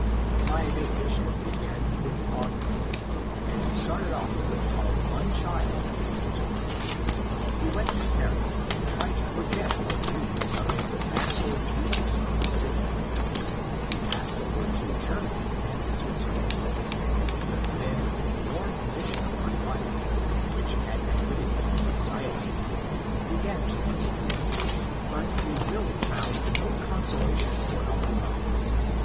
My vacation began with August, and we started off with our one child for a tour. We went to Paris and tried to forget our grief amid the manifold beauties of the city. We passed over to Grermany and Switzerland. The thin and worn STEAUSS 13 condition of my wife, which had been giving me anxiety, began to disappear, but we really f onnd no consolation for our hearts.